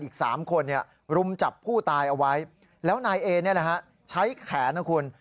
อีก๓คนรุมจับผู้ตายเอาไว้แล้วนายเอใช้แขนนะคุณ